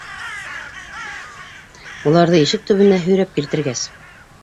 Уларҙы ишек төбөнә һөйрәп килтергәс: